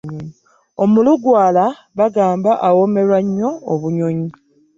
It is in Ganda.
Omulugwala bagamba awoomerwa nnyo obunyonyi.